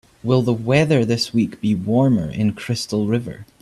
Will the weather this week be warmer in Crystal River?